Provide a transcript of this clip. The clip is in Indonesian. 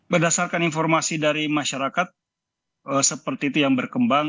berdasarkan informasi dari masyarakat seperti itu yang berkembang